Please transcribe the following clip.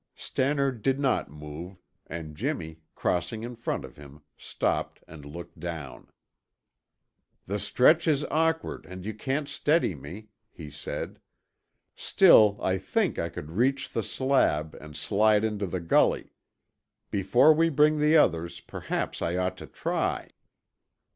Stannard did not move, and Jimmy, crossing in front of him, stopped and looked down. "The stretch is awkward and you can't steady me," he said. "Still I think I could reach the slab and slide into the gully. Before we bring the others, perhaps I ought to try."